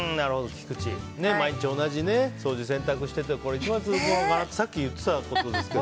菊地、毎日同じ掃除、洗濯をしててこれからも続くのかなってさっき言ってたことですけど。